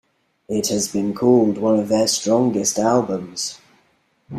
It has been called one of their strongest albums.